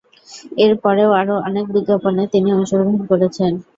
এর পরেও আরো অনেক বিজ্ঞাপনে তিনি অংশগ্রহণ করেছেন।